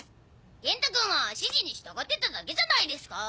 元太くんは指示に従ってただけじゃないですか！